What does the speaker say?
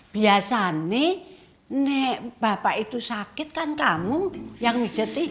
biasanya nek bapak itu sakit kan kamu yang menjati